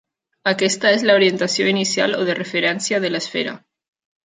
Aquesta és la orientació inicial o de referència de l'esfera.